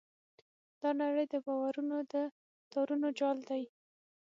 دا نړۍ د باورونو د تارونو جال دی.